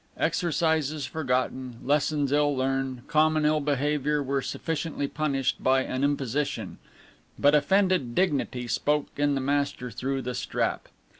Exercises forgotten, lessons ill learned, common ill behavior were sufficiently punished by an imposition, but offended dignity spoke in the master through the strap.